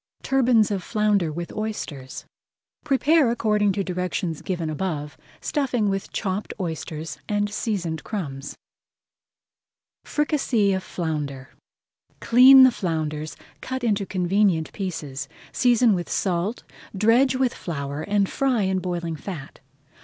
TURBANS OF FLOUNDER WITH OYSTERS Prepare according to directions given above, stuffing with chopped oysters and seasoned crumbs. FRICASSÉE OF FLOUNDER Clean the flounders, cut into convenient pieces, season with salt, dredge with flour, and fry in boiling fat.